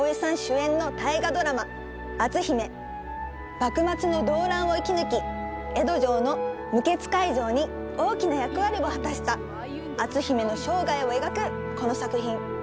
幕末の動乱を生き抜き江戸城の無血開城に大きな役割を果たした篤姫の生涯を描くこの作品。